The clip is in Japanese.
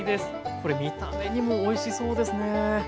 これ見た目にもおいしそうですね。